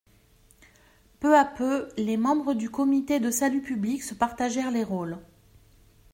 Peu à peu les membres du Comité de salut public se partagèrent les rôles.